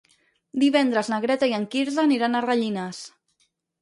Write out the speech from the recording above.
Divendres na Greta i en Quirze aniran a Rellinars.